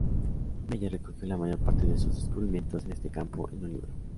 Meyer recogió la mayor parte de sus descubrimientos en este campo en un libro.